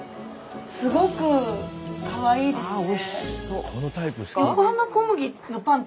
すごくかわいいですね。